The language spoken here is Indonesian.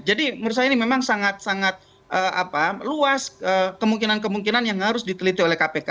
jadi menurut saya ini memang sangat sangat luas kemungkinan kemungkinan yang harus diteliti oleh kpk